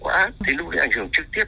qua app đến lúc ảnh hưởng trực tiếp